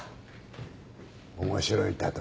面白い例えだね